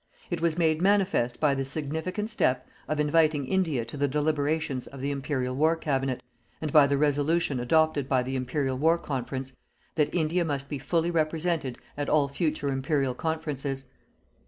It was made manifest by the significant step of inviting India to the deliberations of the Imperial War Cabinet, and by the "Resolution" adopted by the Imperial War Conference that India must be fully represented at all future Imperial Conferences.